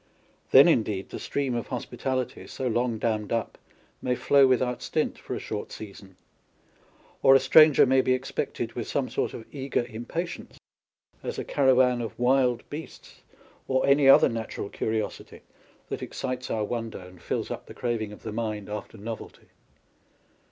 Then indeed the stream of hospitality, so long dammed up, may flow without stint for a short season ; or a stranger may be expected with some sort of eager impatience as a caravan of wild beasts, or any other 102 On Londoners arid Country People. natural curiosity, tliat excites our wonder and fills up the craving of the mind after novelty.